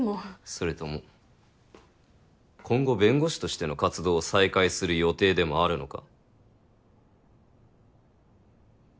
それとも今後弁護士としての活動を再開する予定でもあるのか？